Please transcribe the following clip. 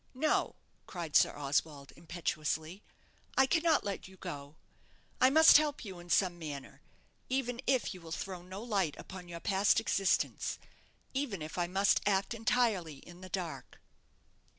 "No!" cried Sir Oswald, impetuously; "I cannot let you go. I must help you in some manner even if you will throw no light upon your past existence; even if I must act entirely in the dark."